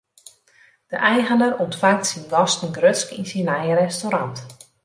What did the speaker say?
De eigener ûntfangt syn gasten grutsk yn syn nije restaurant.